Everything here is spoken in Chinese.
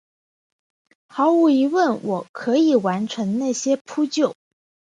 毫无疑问我可以完成那些扑救！